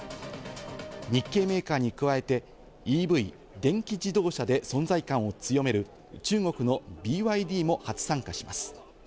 日系メーカーに加えてＥＶ＝電気自動車で存在感を強める中国のＢＹＤも初参加します。